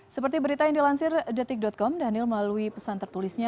seperti berita yang dilansir detik com daniel melalui pesan tertulisnya